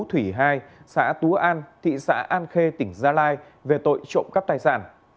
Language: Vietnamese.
thủy hai xã tú an thị xã an khê tỉnh gia lai về tội trộm cắp tài sản